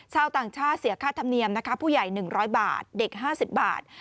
ชาวต่างชาติเสียค่าธรรมเนียมนะคะผู้ใหญ่๑๐๐บาทเด็ก๕๐บาท